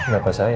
gak masalah ya